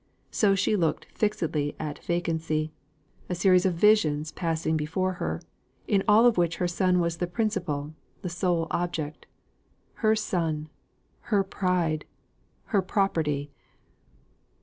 So she looked fixedly at vacancy; a series of visions passing before her, in all of which her son was the principal, the sole object, her son, her pride, her property.